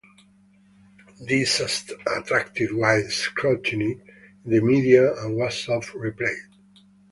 This attracted wide scrutiny in the media and was oft-replayed.